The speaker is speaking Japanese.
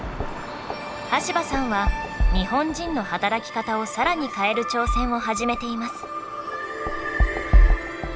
端羽さんは日本人の働き方を更に変える挑戦を始めています。